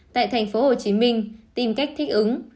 tại tp hcm tìm cách thích ứng